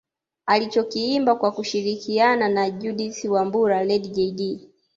Alichokiimba kwa kushirikiana na Judith Wambura Lady Jaydee